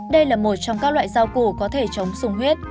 đây là một trong các loại rau củ có thể chống sùng huyết